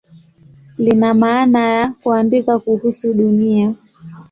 Lina maana ya "kuandika kuhusu Dunia".